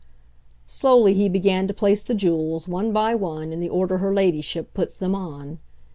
Slowly he began to place the jewels, one by one, in the order her Ladyship puts them on.